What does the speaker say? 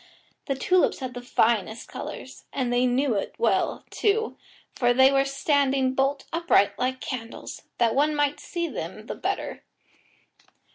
The tulips had the finest colours, and they knew it well, too, for they were standing bolt upright like candles, that one might see them the better.